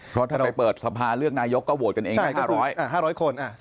เพราะถ้าเราเปิดสัมภาเลือกนายกก็โหวตกันเอง๕๐๐คน